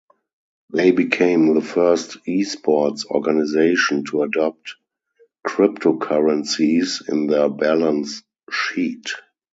They became the first esports organisation to adopt cryptocurrencies in their balance sheet.